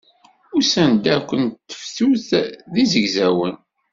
Ussan akk n tefsut d izegzawen